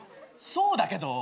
そうだけど。